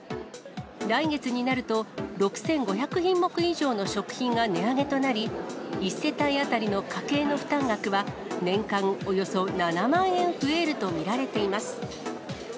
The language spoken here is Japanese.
来月になると、６５００品目以上の食品が値上げとなり、１世帯当たりの家計の負担額は、年間およそ７万円増えると見られています。